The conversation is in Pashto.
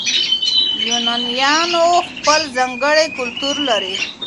یونانیان خپل ځانګړی کلتور لري.